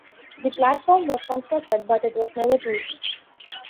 The platform was constructed, but it was never used.